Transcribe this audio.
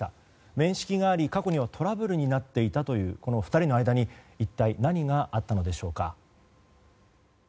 面識があり、過去にはトラブルになっていたというこの２人の間に一体何があったのでしょうか。